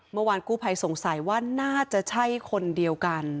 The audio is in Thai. เมื่อวานกู้ภัยสงสัยว่าน่าจะใช่คนเดียวกัน